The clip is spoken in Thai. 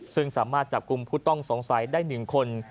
ซึ่งสามารถจับกลุ่มผู้ต้องสงสัยได้๑คน